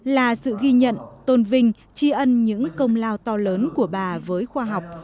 là sự ghi nhận tôn vinh tri ân những công lao to lớn của bà với khoa học